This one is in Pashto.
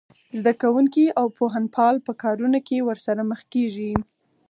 زده کوونکي او پوهنپال په کارونه کې ورسره مخ کېږي